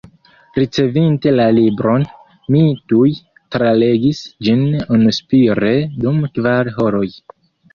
Ricevinte la libron, mi tuj tralegis ĝin unuspire dum kvar horoj.